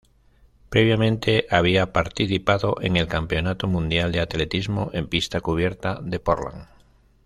Previamente había participado en el Campeonato Mundial de Atletismo en Pista Cubierta de Portland.